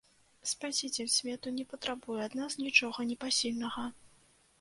Спасіцель свету не патрабуе ад нас нічога непасільнага.